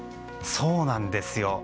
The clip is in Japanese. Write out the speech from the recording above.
そうなんですよ。